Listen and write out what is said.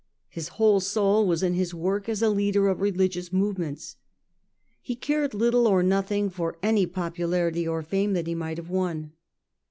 His whole soul was in his work as a leader of religious movements. He cared little or nothing for any popularity or fame that he might have won.